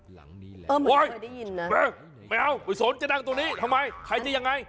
เหมือนเคยได้ยินนะไม่เอาโหยสนจะนั่งตรงนี้ทำไมใครจะยังไง